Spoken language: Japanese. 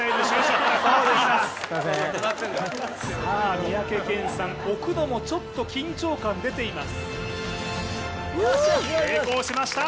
三宅健さん、置くのもちょっと緊張感が出ています。